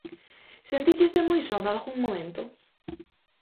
Sentícheste moi só nalgún momento?